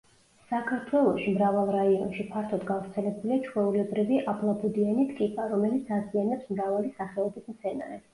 საქართველოში მრავალ რაიონში ფართოდ გავრცელებულია ჩვეულებრივი აბლაბუდიანი ტკიპა, რომელიც აზიანებს მრავალი სახეობის მცენარეს.